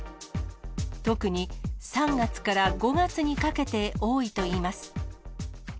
特に３月から５月にかけて多いといいます。